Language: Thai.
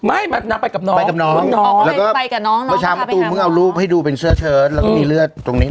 ไม่มันตายกับน้องเย้กินกับน้องพี่หนูมึงเอาลูกให้ดูเป็นเชื้อเชิ้ตแล้วก็มีเลือดตรงนี้